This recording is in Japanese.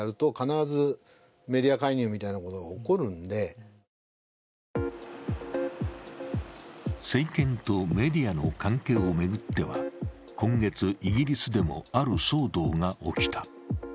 専門家は政権とメディアの関係を巡っては、今月、イギリスでもある騒動が起きた。